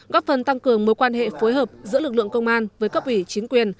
góp phần tăng cường mối quan hệ phối hợp giữa lực lượng công an với cấp ủy chính quyền